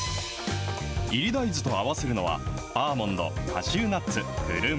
いり大豆と合わせるのは、アーモンド、カシューナッツ、くるみ。